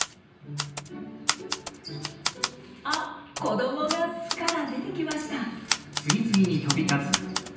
あ子どもが巣から出てきました。